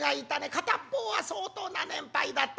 片っ方は相当な年配だった。